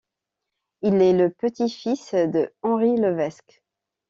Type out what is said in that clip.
Il est le petit-fils de Henri Levesque.